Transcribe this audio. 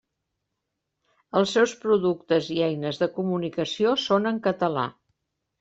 Els seus productes i eines de comunicació són en català.